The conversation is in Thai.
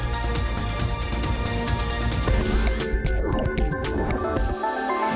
โปรดติดตามตอนต่อไป